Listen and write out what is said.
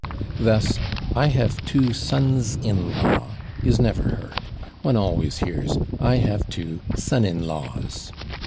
Thus, "I have two /sons in law/" is never heard; one always hears "I have two /son in laws